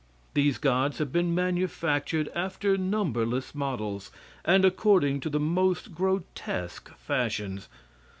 These gods have been manufactured after numberless models, and according to the most grotesque fashions.